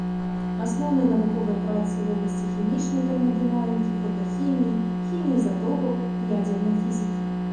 Асноўныя навуковыя працы ў вобласці хімічнай тэрмадынамікі, фотахіміі, хіміі ізатопаў, ядзернай фізікі.